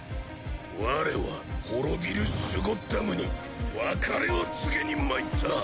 我は滅びるシュゴッダムに別れを告げに参った。